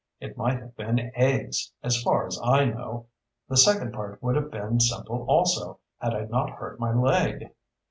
It might have been eggs, as far as I know. The second part would have been simple also, had I not hurt my leg.